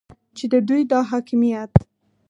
چې د دوی دا حاکمیت